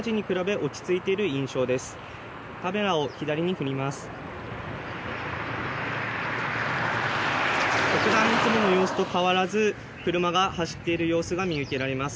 こちらいつもの様子と変わらず車が走っている様子が見受けられます。